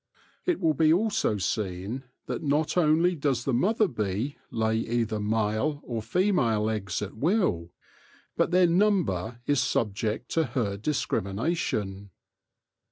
It will be also seen that not only does the mother bee lay either male or female eggs at will, but their number also is subject to her discrimination.